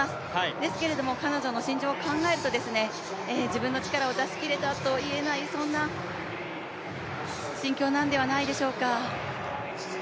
ですけれども彼女の心情を考えると、自分の力を出し切れたといえないそんな心境なんではないでしょうか。